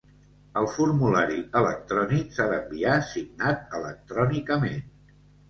El formulari electrònic s'ha d'enviar signat electrònicament.